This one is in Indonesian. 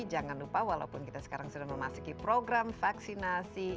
jangan lupa walaupun kita sekarang sudah memasuki program vaksinasi